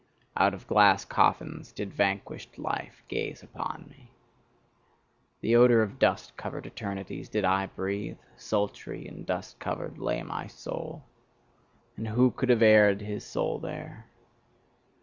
Out of glass coffins did vanquished life gaze upon me. The odour of dust covered eternities did I breathe: sultry and dust covered lay my soul. And who could have aired his soul there!